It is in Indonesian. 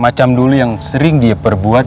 macam dulu yang sering dia perbuat